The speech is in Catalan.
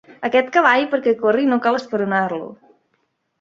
Aquest cavall, perquè corri, no cal esperonar-lo.